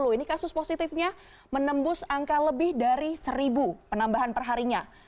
ini kasus positifnya menembus angka lebih dari seribu penambahan perharinya